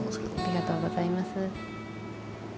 ありがとうございます。